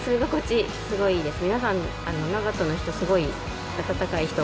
皆さん長門の人すごいあたたかい人が多くて。